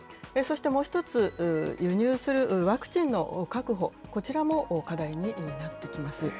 そしてもう一つ、輸入するワクチンの確保、こちらも課題になってきます。